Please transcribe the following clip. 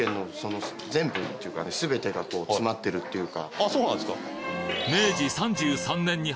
あそうなんですか。